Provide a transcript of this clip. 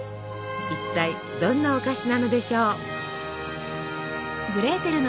一体どんなお菓子なのでしょう。